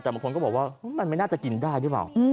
แต่บางคนก็บอกว่ามันไม่น่าจะกินได้หรือเปล่า